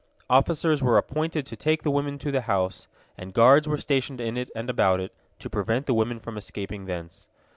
Officers were appointed to take the women to the house, and guards were stationed in it and about it, to prevent the women from escaping thence.